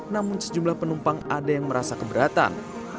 namun sejumlah penumpang ada yang merasa keberatan